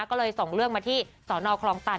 ก็เลยส่งเรื่องมาที่สนคลองตัน